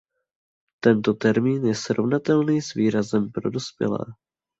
Tento termín je srovnatelný s výrazem „pro dospělé“.